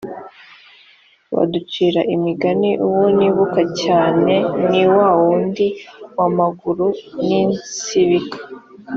baducira imigani uwo nibuka cyane ni wa wundi wa maguru n insibika